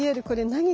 何？